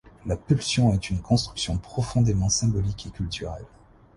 La pulsion est une construction profondément symbolique et culturelle.